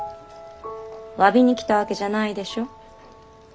わびに来たわけじゃないでしょ？